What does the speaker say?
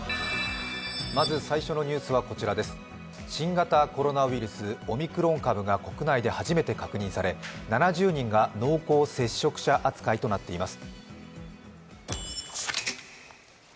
まず最初のニュースは新型コロナウイルスオミクロン株が国内で初めて確認され７０人が濃厚接触者扱いとなっています。